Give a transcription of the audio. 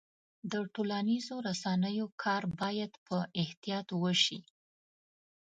د ټولنیزو رسنیو کار باید په احتیاط وشي.